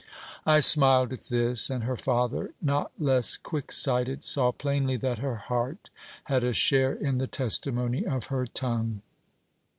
I smiled at this ; and her father, not less quick sighted, saw plainly that her heart had a share in the testimony of her tongue.